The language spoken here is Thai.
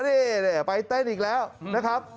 นี่ไปเต้นอีกแล้วนะครับ